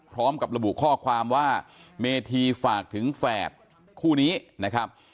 พร้อมกับระบุข้อความว่าเมธีฝากถึงแฝดคู่นี้นะครับ